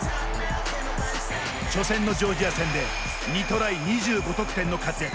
初戦のジョージア戦で２トライ２５得点の活躍。